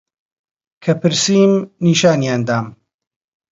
کە پرسیم نیشانیان دام